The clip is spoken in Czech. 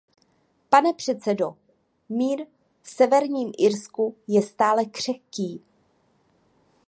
Pane předsedo, mír v Severním Irsku je stále křehký.